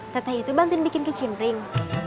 teteh itu bantuin bikin kecimpring